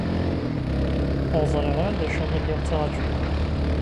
Ur ẓriɣ ara d acu i lliɣ ttraǧuɣ.